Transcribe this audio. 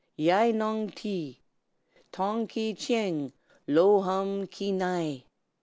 Yai Nong Ti! Tong Ki Tcheng Lo Hum Ki Ni!"